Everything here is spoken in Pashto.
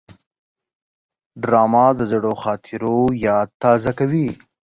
ډرامه د زړو خاطرو یاد تازه کوي